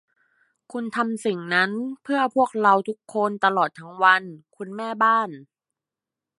คุณทำสิ่งนั้นเพื่อพวกเราทุกคนตลอดทั้งวัน คุณแม่บ้าน